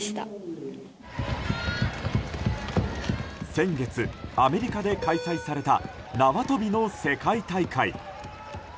先月、アメリカで開催された縄跳びの世界大会。